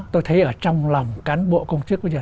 tôi thấy ở trong lòng cán bộ công chức bây giờ